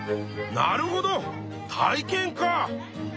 なるほど体験か。